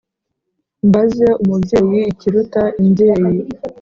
Mbaze umubyeyi ikiruta imbyeyi